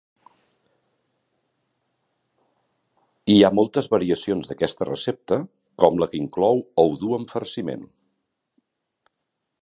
Hi ha moltes variacions d'aquesta recepta, com la que inclou ou dur en farciment.